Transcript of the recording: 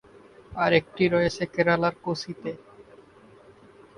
আর একটি রয়েছে কেরালার কোচিতে।